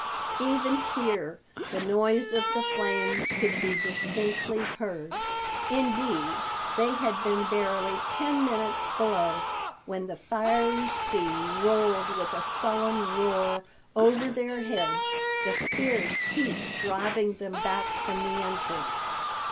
Even here the noise of the flames could be distinctly heard. Indeed, they had been barely ten minutes below when the fiery sea rolled with a sullen roar over their heads, the fierce heat driving them back from the entrance.